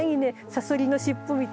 サソリの尻尾みたいに。